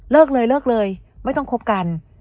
เลยเลิกเลยไม่ต้องคบกัน